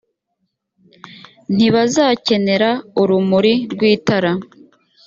ntibazakenera urumuri rw itara